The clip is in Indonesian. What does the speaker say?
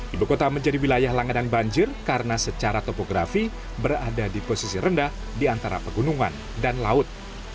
ibu kota menjadi wilayah langganan banjir karena secara topografi berada di posisi rendah di antara pegunungan dan laut